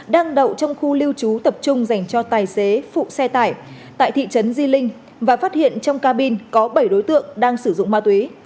đang đậu trong khu lưu trú tập trung dành cho tài xế phụ xe tải tại thị trấn di linh và phát hiện trong cabin có bảy đối tượng đang sử dụng ma túy